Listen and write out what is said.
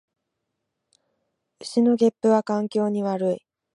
牛のげっぷは環境に悪い